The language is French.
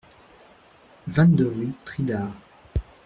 vingt-deux rue Tridard